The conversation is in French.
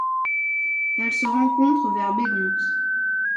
Elle se rencontre vers Begonte.